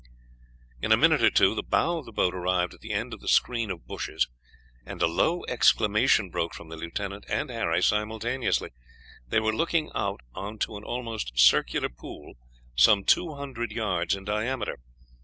In a minute or two the bow of the boat arrived at the end of the screen of bushes, and a low exclamation broke from the lieutenant and Harry simultaneously; they were looking out on to an almost circular pool some two hundred yards in diameter.